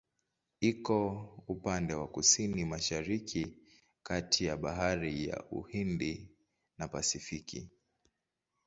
Iko upande wa Kusini-Mashariki kati ya Bahari ya Uhindi na Pasifiki.